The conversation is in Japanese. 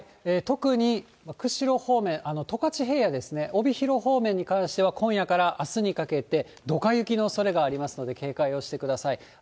特に釧路方面、十勝平野ですね、帯広方面に関しては、今夜からあすにかけてどか雪のおそれがありますので、警戒をしてください。